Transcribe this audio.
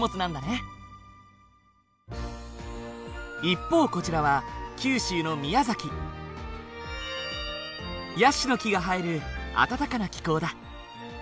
一方こちらは九州のヤシの木が生える暖かな気候だ。